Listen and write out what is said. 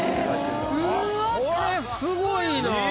あっこれすごいな。